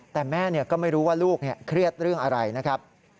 แต่แม่ก็ไม่รู้ว่าลูกเครียดเรื่องอะไรนะครับ